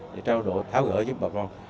để trao đổi tháo gỡ giúp bà con